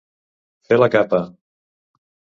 Fer la capa.